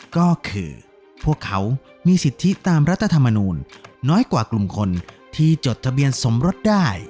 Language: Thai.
ก็คือพวกเขามีสิทธิตามรัฐธรรมนูลน้อยกว่ากลุ่มคนที่จดทะเบียนสมรสได้